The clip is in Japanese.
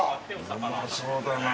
うまそうだなあ。